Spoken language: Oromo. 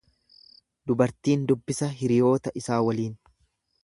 Dubartiin dubbisa hiriyoota isaa waliin.